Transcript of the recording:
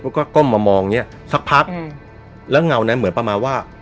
แล้วก็ก้มมามองเนี้ยสักพักอืมแล้วเงานั้นเหมือนประมาณว่า